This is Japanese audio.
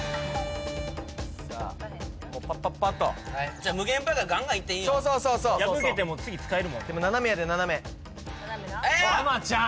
・さあ・もうパッパッパッと・無限ポイやからガンガンいっていいそうそうそうそう破けても次使えるもんでも斜めやで斜めハマちゃん！